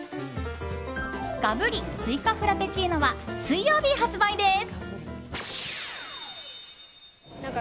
ＧＡＢＵＲＩスイカフラペチーノは水曜日発売です。